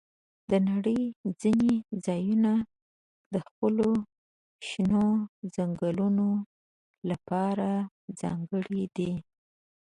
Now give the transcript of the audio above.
د نړۍ ځینې ځایونه د خپلو شنو ځنګلونو لپاره ځانګړي دي.